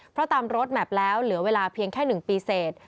เพราะตามรถแมพแล้วเหลือเวลาเพียงแค่๑ปีเสร็จ